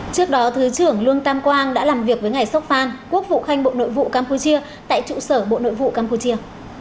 trước đó thứ trưởng lương tam quang đã làm việc với ngài sốc phan quốc vụ khanh bộ nội vụ campuchia tại trụ sở bộ nội vụ campuchia